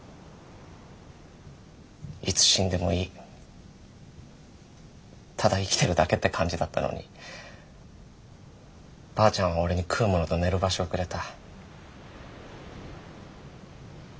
いつ死んでもいいただ生きてるだけって感じだったのにばあちゃんは俺に食うものと寝る場所をくれた。